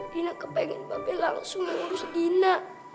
dina kepengen mbak be langsung yang urus dina